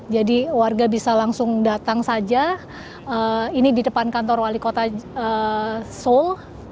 jadi warga bisa langsung datang saja ini di depan kantor wali kota seoul